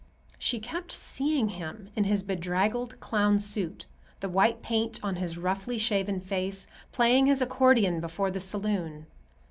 She kept seeing him in his bedraggled clown suit, the white paint on his roughly shaven face, playing his accordion before the saloon.